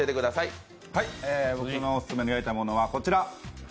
僕のオススメの焼いたものは、こちら。